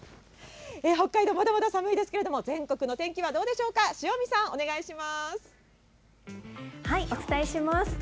北海道、まだまだ寒いですけれども、全国の天気はどうでしょお伝えします。